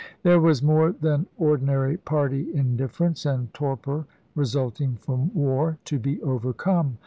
There was more than ordinary party indifference and The torpor, resulting from war, to be overcome.